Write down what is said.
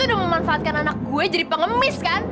lu tuh udah manfaatkan anak gue jadi pengemis kan